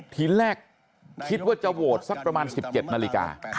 ทีแรกคิดว่าจะโหวตสักประมาณ๑๗นาฬิกา